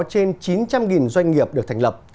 trên chín trăm linh doanh nghiệp được thành lập